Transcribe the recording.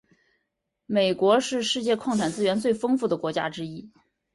美国是世界矿产资源最丰富的国家之一。